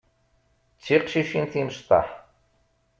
D tiqcicin timecṭaḥ.